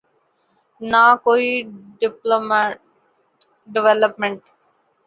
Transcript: نہ کوئی ڈویلپمنٹ۔